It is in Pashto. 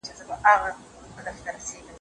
سوچه پښتو ژبه زموږ د معنوي سکون او ډاډ سبب ده